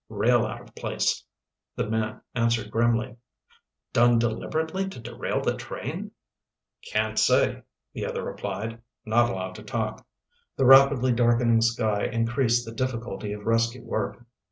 "Rail out of place," the man answered grimly. "Done deliberately to derail the train?" "Can't say," the other replied. "Not allowed to talk." The rapidly darkening sky increased the difficulty of rescue work.